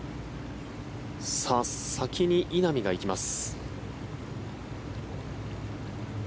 先に稲見が行きます。